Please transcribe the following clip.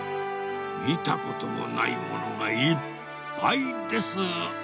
見たこともないものがいっぱいです。